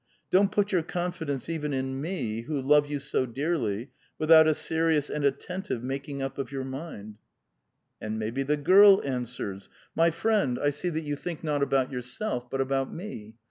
Don't put your confidence even in me, who love you so dearly, without a serious and attentive making up of your mind.' *' And maybe the girl answers :' My friend, I see that you A VITAL QUESTION. 441 think not about yourself, but about me.